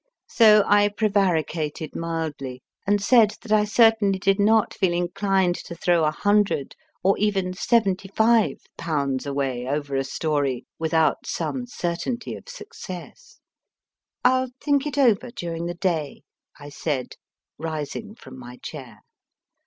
So I prevaricated mildly, and said that I certainly did not feel inclined to throw a hundred or even seventy five pounds away over a story without some cer tainty of success. I ll think it over during the day, I said, rising from my chair.